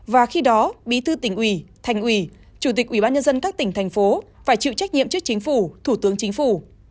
và khi đó bí thư tỉnh ủy thành ủy chủ tịch ủy ban nhân dân các tỉnh thành phố phải chịu trách nhiệm trước chính phủ thủ tướng chính phủ